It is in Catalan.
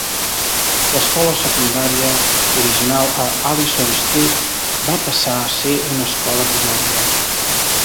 L'escola secundària original a Allison Street va passar a ser una escola primària.